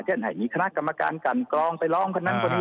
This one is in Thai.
เท่านั้นอย่างนี้คณะกรรมการกันกรองไปร้องคนนั้นคนนี้